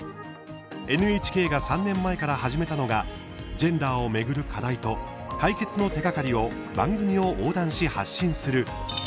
ＮＨＫが３年前から始めたのがジェンダーを巡る課題と解決の手がかりを番組を横断し発信する＃